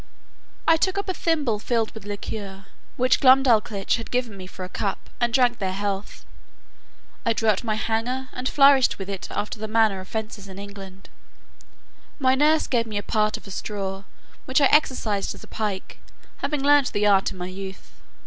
I took up a thimble filled with liquor, which Glumdalclitch had given me for a cup, and drank their health, I drew out my hanger, and flourished with it after the manner of fencers in England. My nurse gave me a part of a straw, which I exercised as a pike, having learnt the art in my youth.